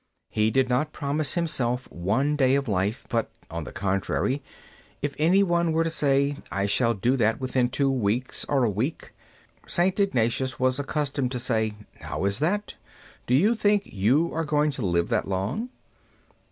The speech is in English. He did not promise himself one day of life, but, on the contrary, if any one were to say, "I shall do that within two weeks or a week," St. Ignatius was accustomed to say: "How is that? Do you think you are going to live that long?"